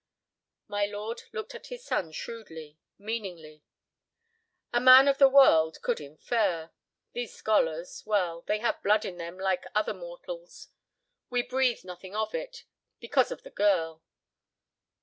My lord looked at his son shrewdly, meaningly. "A man of the world could infer. These scholars—well—they have blood in them like other mortals. We breathe nothing of it—because of the girl."